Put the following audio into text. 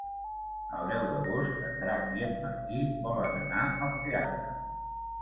El deu d'agost en Drac i en Martí volen anar al teatre.